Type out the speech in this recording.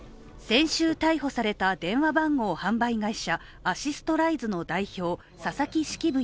先週逮捕された電話番号販売会社、アシストライズの代表佐々木式部